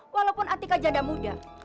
walaupun artika janda muda